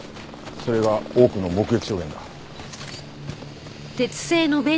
それが多くの目撃証言だ。